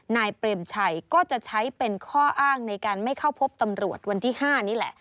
นายเปรมชัยก็จะใช้เป็นข้ออ้างในการไม่เข้าพบตำรวจวันที่๕นี่แหละ